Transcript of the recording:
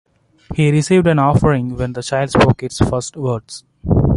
He received an offering when the child spoke its first words.